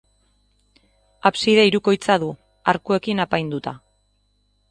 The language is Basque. Abside hirukoitza du, arkuekin apainduta.